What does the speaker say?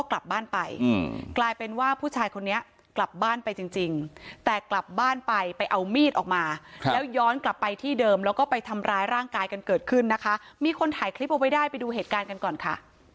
เราจะถ่ายคลิปเอาไว้ได้ไปดูเหตุการณ์กันก่อนค่ะ